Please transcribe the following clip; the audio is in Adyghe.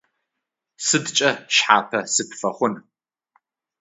Сыдкӏэ шъхьапэ сыпфэхъун?